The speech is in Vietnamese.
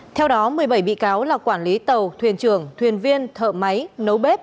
theo đó một mươi bảy bị cáo là quản lý tàu thuyền trưởng thuyền viên thợ máy nấu bếp